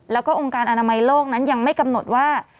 แล้วก็องค์การอนามัยโลกนั้นยังไม่กำหนดว่า